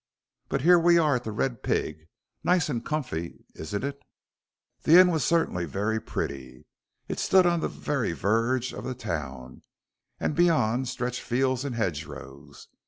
"But here we are at 'The Red Pig.' Nice and comfy, isn't it?" The inn was certainly very pretty. It stood on the very verge of the town, and beyond stretched fields and hedgerows.